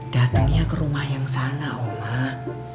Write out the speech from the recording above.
datengnya ke rumah yang sana omah